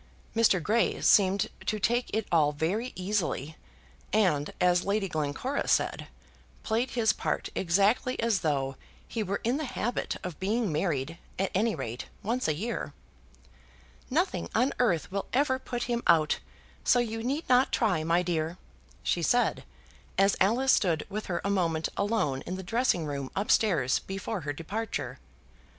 Mr. Grey seemed to take it all very easily, and, as Lady Glencora said, played his part exactly as though he were in the habit of being married, at any rate, once a year. "Nothing on earth will ever put him out, so you need not try, my dear," she said, as Alice stood with her a moment alone in the dressing room up stairs before her departure.